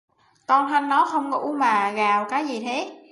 con thanh nó không ngủ mà gào cái gì thế